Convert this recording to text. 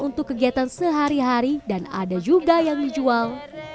untuk kegiatan sehari hari dan ada juga yang dijual